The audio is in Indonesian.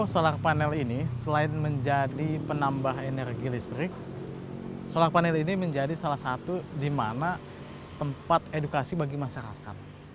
solar panel ini selain menjadi penambah energi listrik solar panel ini menjadi salah satu di mana tempat edukasi bagi masyarakat